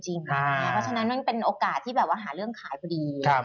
เพราะฉะนั้นมันเป็นโอกาสที่แบบว่าหาเรื่องขายพอดี